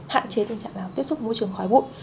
hạn chế tình trạng là tiếp xúc với môi trường khói bụi